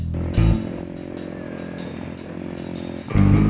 bukannya kamu sudah berubah